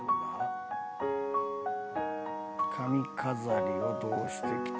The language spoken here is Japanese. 髪飾りをどうしてきて。